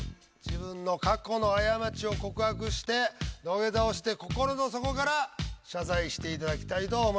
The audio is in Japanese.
自分の過去の過ちを告白して土下座をして心の底から謝罪していただきたいと思います。